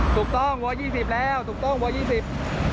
ถูกต้องวอร์ยี่สิบแล้วถูกต้องวอร์ยี่สิบ